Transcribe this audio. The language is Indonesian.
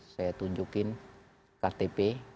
saya tunjukin ktp